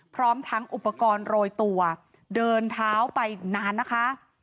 พร้อมทั้งอุปกรณ์โรยตัวเดินเท้าไปนานนะคะ